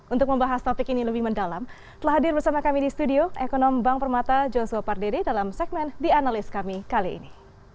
untuk membahas topik ini lebih mendalam telah hadir bersama kami di studio ekonom bank permata joshua pardede dalam segmen dianalis kami kali ini